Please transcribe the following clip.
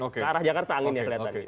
ke arah jakarta anginnya kelihatan